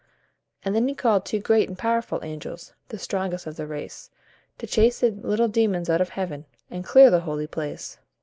And then he called two great and powerful angels, The strongest of the race, To chase the little demons out of Heaven, And clear the holy place.